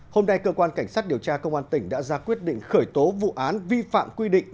hôm nay cơ quan cảnh sát điều tra công an tỉnh đã ra quyết định khởi tố vụ án vi phạm quy định